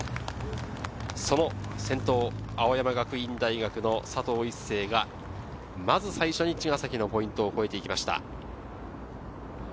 先頭、青山学院大学の佐藤一世がまず最初に茅ヶ崎のポイントを超えてきました。